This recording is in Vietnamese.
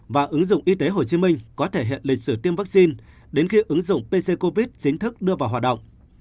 và ứng dụng y tế hồ chí minh có thể hiện lịch sử tiêm vaccine đến khi ứng dụng pc covid chính thức đưa vào hoạt động